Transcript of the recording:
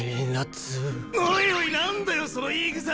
おいおいなんだよその言いぐさ！